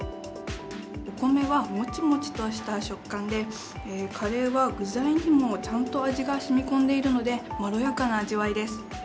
お米はもちもちとした食感で、カレーは具材にもちゃんと味がしみこんでいるので、まろやかな味わいです。